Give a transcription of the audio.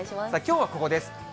きょうはここです。